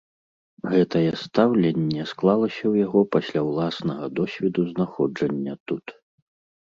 Гэтае стаўленне склалася ў яго пасля ўласнага досведу знаходжання тут.